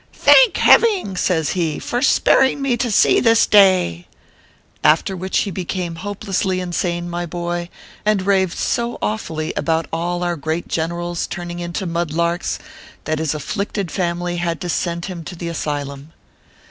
" Thank Heving," says he, " for sparing me to see this day !" After which he became hopelessly insane, my boy, and raved so awfully about all our great generals turning into mud larks that his afflicted family had to send him to the asylum.